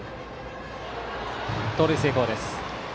盗塁成功です。